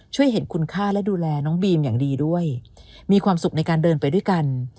เห็นคุณค่าและดูแลน้องบีมอย่างดีด้วยมีความสุขในการเดินไปด้วยกัน